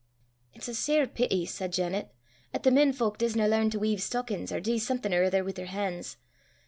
"It's a sair peety," said Janet, "'at the men fowk disna learn to weyve stockins, or dee something or ither wi' their han's.